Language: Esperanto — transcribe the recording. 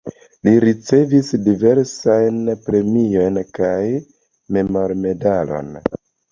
Li ricevis diversajn premion kaj memormedalon.